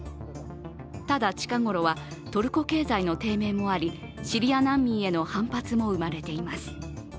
ただ、近頃はトルコ経済の低迷もありシリア難民への反発も生まれています。